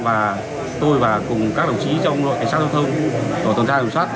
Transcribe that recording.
và tôi và các đồng chí trong đội kịch sát hợp thông tổ tần tra hợp sát